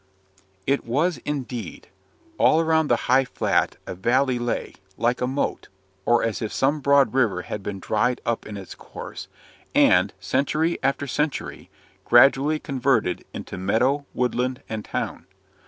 It was indeed. All around the high flat a valley lay, like a moat, or as if some broad river had been dried up in its course, and, century after century, gradually converted into meadow, woodland, and town.